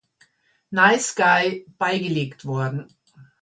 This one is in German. Nice Guy" beigelegt worden.